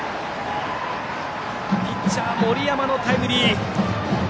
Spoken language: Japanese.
ピッチャー、森山のタイムリー。